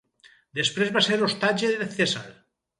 Després va ser ostatge de Cèsar.